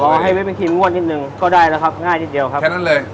อ๋อให้วิปปิ้งครีมงวดนิดหนึ่งก็ได้แล้วครับง่ายนิดเดียวครับ